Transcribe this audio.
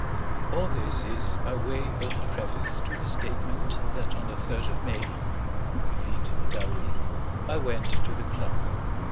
All this is by way of preface to the statement that on the third of May (vide diary) I went to the club.